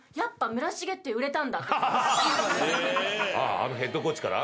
あのヘッドコーチから？